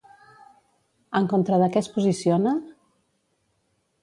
En contra de què es posiciona?